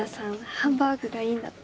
ハンバーグがいいんだって。